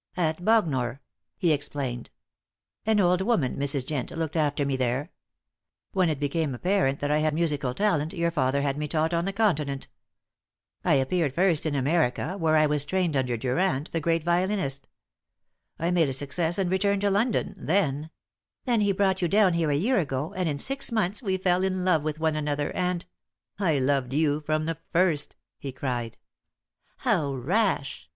"At Bognor," he explained. "An old woman, Mrs. Jent, looked after me there. When it became apparent that I had musical talent your father had me taught on the Continent. I appeared first in America, where I was trained under Durand, the great violinist. I made a success and returned to London; then " "Then he brought you down here a year ago, and in six months we fell in love with one another, and " "I loved you from the first," he cried. "How rash!"